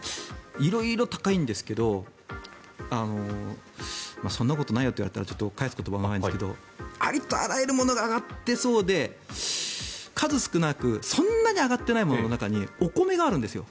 色々高いんですけどそんなことないよって言われたらちょっと返す言葉がないんですけどありとあらゆるものが上がってそうで数少なく、そんなに上がっていないものの中にお米があるんですよ。